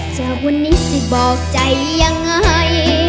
จากวันนี้สิบอกใจยังไง